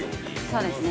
◆そうですね。